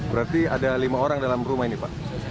berarti ada lima orang dalam rumah ini pak